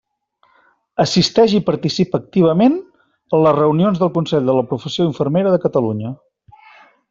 Assisteix i participa activament en les reunions del Consell de la Professió Infermera de Catalunya.